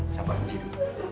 sabar di sini